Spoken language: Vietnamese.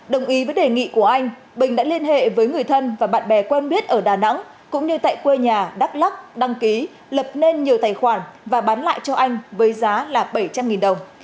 đồng ý với đề nghị của anh bình đã liên hệ với người thân và bạn bè quen biết ở đà nẵng cũng như tại quê nhà đắk lắc đăng ký lập nên nhiều tài khoản và bán lại cho anh với giá là bảy trăm linh đồng